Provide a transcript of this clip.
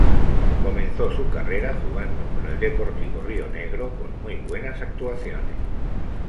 Comenzó su carrera jugando con el Deportivo Rionegro con muy buenas actuaciones.